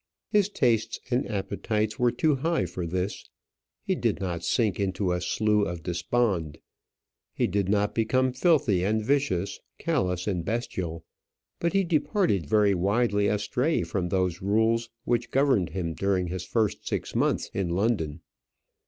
His tastes and appetites were too high for this. He did not sink into a slough of despond. He did not become filthy and vicious, callous and bestial; but he departed very widely astray from those rules which governed him during his first six months in London.